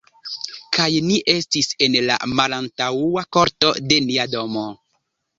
Kaj ni estis en la malantaŭa korto de nia domo.